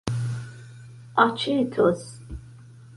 aĉetos